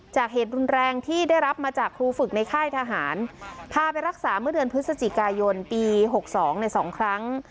เหตุรุนแรงที่ได้รับมาจากครูฝึกในค่ายทหารพาไปรักษาเมื่อเดือนพฤศจิกายนปี๖๒ใน๒ครั้ง